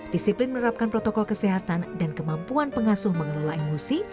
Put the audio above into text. disiplin menerapkan protokol kesehatan dan kemampuan pengasuh mengelola emosi